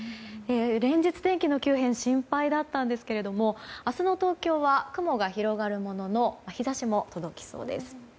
連日、天気の急変心配だったんですけれども明日の東京は雲が広がるものの日差しも届きそうです。